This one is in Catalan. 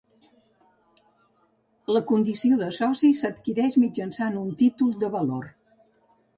La condició de soci s'adquireix mitjançant un títol de valor.